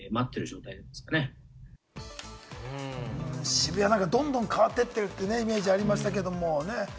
渋谷、どんどん変わっていってるというイメージがありましたけれどもね。